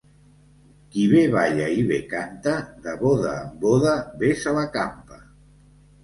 Qui bé balla i bé canta, de boda en boda bé se la campa.